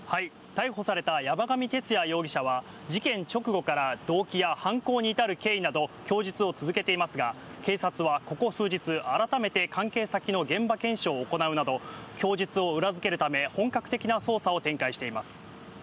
逮捕された山上徹也容疑者は事件直後から動機や犯行に至る経緯など、供述を続けていますが、警察はここ数日、改めて関係先の現場検証を行うなど供述を裏付けるため、本格的な捜査を展開しています。